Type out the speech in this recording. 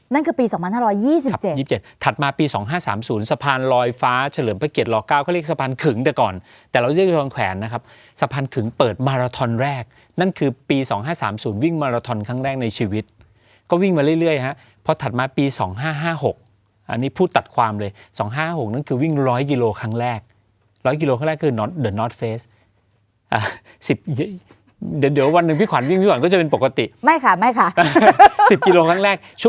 นั่นคือปีสองพันห้าร้อยยี่สิบเจนถัดมาปีสองห้าสามศูนย์สะพานลอยฟ้าเฉลิมประเกียจหลอกเก้าเขาเรียกสะพานขึงแต่ก่อนแต่เราเลือกอยู่ทางแขวนนะครับสะพานขึงเปิดมาราทอนแรกนั่นคือปีสองห้าสามศูนย์วิ่งมาราทอนครั้งแรกในชีวิตก็วิ่งมาเรื่อยเรื่อยฮะเพราะถัดมาปีสองห้าห้าหกอันนี้ผู้ตัดความเลยสอง